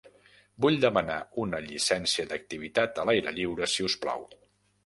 Vull demanar una llicència d'activitat a l'aire lliure si us plau.